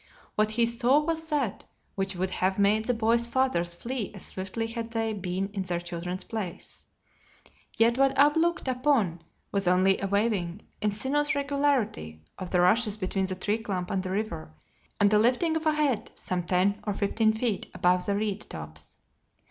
What he saw was that which would have made the boys' fathers flee as swiftly had they been in their children's place. Yet what Ab looked upon was only a waving, in sinuous regularity, of the rushes between the tree clump and the river and the lifting of a head some ten or fifteen feet above the reed tops.